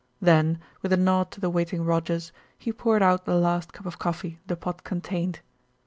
Then, with a nod to the waiting Rogers, he poured out the last cup of coffee the pot contained.